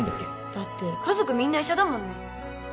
だって家族みんな医者だもんね？